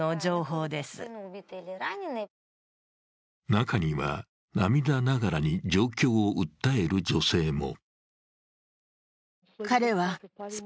中には、涙ながらに状況を訴える女性も。